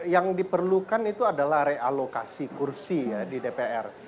yang diperlukan itu adalah realokasi kursi ya di dpr